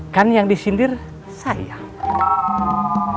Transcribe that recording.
kan yang disindir sayang